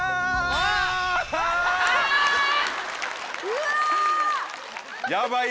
うわ！